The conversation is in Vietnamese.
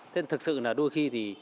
thế thật sự là đôi khi thì